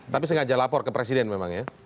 tapi sengaja lapor ke presiden memang ya